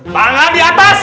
tangan di atas